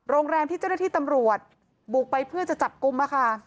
โรงแรมที่เจ้าหน้าที่ตำรวจบุกไปเพื่อจะจับกลุ่มค่ะ